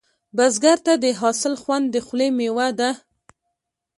بزګر ته د حاصل خوند د خولې میوه ده